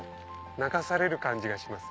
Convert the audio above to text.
流される感じがします